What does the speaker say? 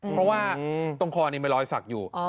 เพราะว่าตรงคอนี่มีรอยสักอยู่